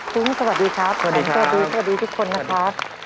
ปุ๊งสวัสดีครับสวัสดีครับสวัสดีสวัสดีทุกคนนะครับ